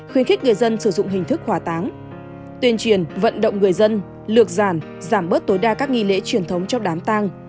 khuyến khích người dân sử dụng hình thức hỏa táng tuyên truyền vận động người dân lược giàn giảm bớt tối đa các nghi lễ truyền thống trong đám tang